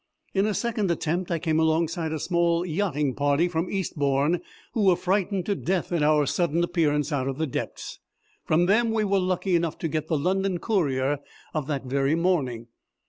In a second attempt I came alongside a small yachting party from Eastbourne, who were frightened to death at our sudden appearance out of the depths. From them we were lucky enough to get the London Courier of that very morning.